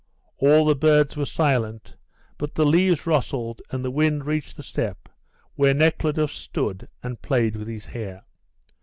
All the birds were silent, but the leaves rustled and the wind reached the step where Nekhludoff stood and played with his hair.